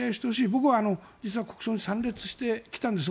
僕は実は国葬に参列してきたんです。